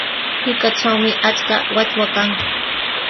Hirkatrawmi achka wachwa kan.